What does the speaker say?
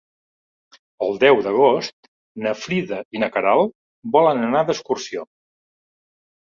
El deu d'agost na Frida i na Queralt volen anar d'excursió.